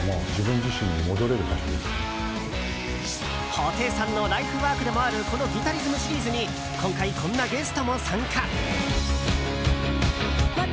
布袋さんのライフワークでもあるこの「ギタリズム」シリーズに今回、こんなゲストも参加。